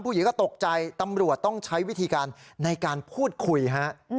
ผู้หญิงก็ตกใจตำรวจต้องใช้วิธีการในการพูดคุยฮะ